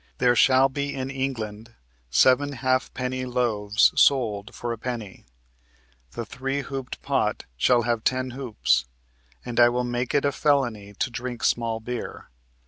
There shall be in England seven half penny loaves sold for a penny; the three hooped pot shall have ten hoops, and I will make it a felony to drink small beer.